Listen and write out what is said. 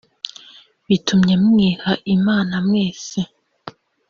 bitumye mwiha imana mwese